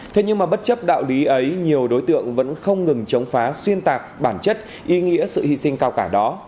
thế nhưng mà bất chấp đạo lý ấy nhiều đối tượng vẫn không ngừng chống phá xuyên tạc bản chất ý nghĩa sự hy sinh cao cả đó